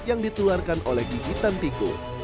yang ditularkan oleh gigitan tikus